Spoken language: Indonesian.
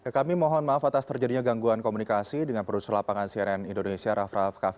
kami mohon maaf atas terjadinya gangguan komunikasi dengan produser lapangan cnn indonesia raff raff kaffi